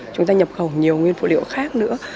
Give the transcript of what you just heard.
chúng ta nhập khẩu nhiều nguyên phụ liệu khác nữa